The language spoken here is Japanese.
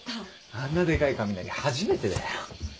あんなでかい雷初めてだよ。